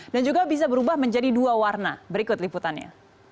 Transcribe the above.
dan juga bisa berubah menjadi dua warna berikut liputannya